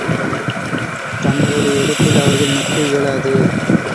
தங்களுடைய இடத்தில் அவர்கள் நிற்க இயலாது.